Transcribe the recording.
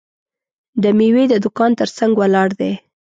د میوې د دوکان ترڅنګ ولاړ دی.